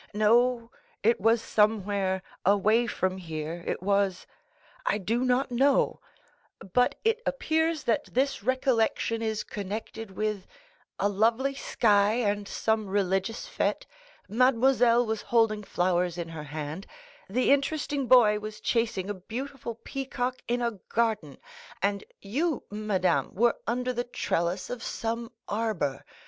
"No—it was somewhere—away from here—it was—I do not know—but it appears that this recollection is connected with a lovely sky and some religious fête; mademoiselle was holding flowers in her hand, the interesting boy was chasing a beautiful peacock in a garden, and you, madame, were under the trellis of some arbor.